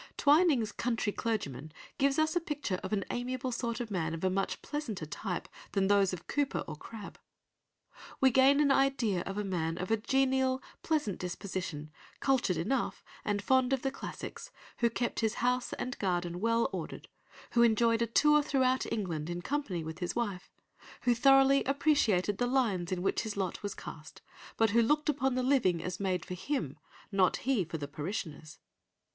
Twining's Country Clergyman gives us a picture of an amiable sort of man of a much pleasanter type than those of Cowper or Crabbe. We gain an idea of a man of a genial, pleasant disposition, cultured enough, and fond of the classics; who kept his house and garden well ordered, who enjoyed a tour throughout England in company with his wife, who thoroughly appreciated the lines in which his lot was cast, but who looked upon the living as made for him, and not he for the parishioners.